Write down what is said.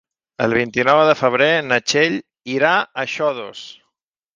El vint-i-nou de febrer na Txell irà a Xodos.